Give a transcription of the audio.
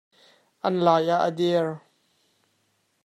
An lai ah a dir.